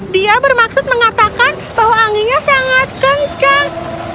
dia bermaksud mengatakan bahwa anginnya sangat kencang